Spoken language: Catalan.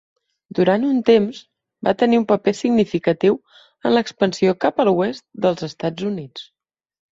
Durant un temps, va tenir un paper significatiu en l'expansió cap a l'oest dels Estats Units.